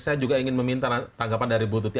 saya juga ingin meminta tanggapan dari bu tuti